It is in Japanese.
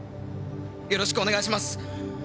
よろしくお願いします。